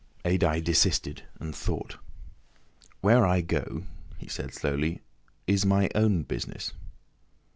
Adye desisted and thought. "Where I go," he said slowly, "is my own business."